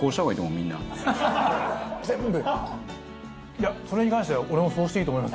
いやそれに関しては俺もそうしていいと思いますね。